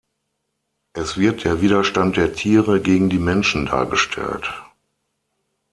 Es wird der Widerstand der Tiere gegen die Menschen dargestellt.